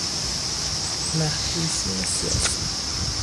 محبوسین سیاسی